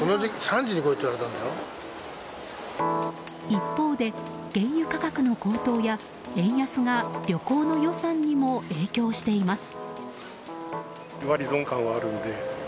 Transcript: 一方で原油価格の高騰や円安が旅行の予算にも影響しています。